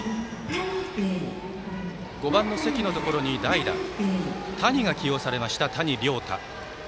５番の関のところに代打谷亮汰が起用されました。